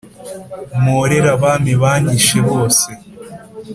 mporere abami banyishe bose